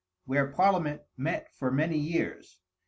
where Parliament met for many years.